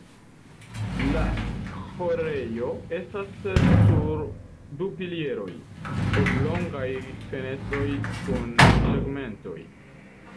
La ĥorejo estas sur du pilieroj, oblongaj fenestroj kun segmentoj.